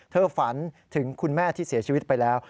ฝันถึงคุณแม่ที่เสียชีวิตไปแล้ว